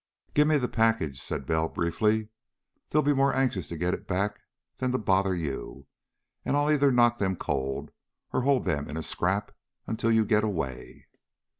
"Give me the package," said Bell briefly. "They'll be more anxious to get it back than to bother you. And I'll either knock them cold or hold them in a scrap until you get away."